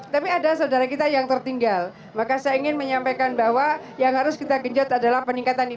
tapi ada saudara kita yang tertinggal maka saya ingin menyampaikan bahwa yang harus kita dwelling